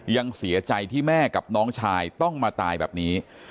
ยังเสียใจที่แม่กับน้องชายต้องมาตายแบบนี้